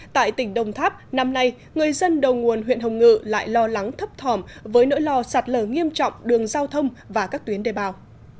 tại tỉnh đồng tháp năm nay người dân đầu nguồn huyện hồng ngự lại lo lắng thấp thỏm với nỗi lo sạt lở nghiêm trọng đường giao thông và các tuyến đề bào